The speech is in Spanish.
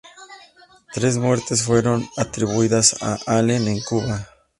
Tres muertes fueron atribuidas a Allen en Cuba.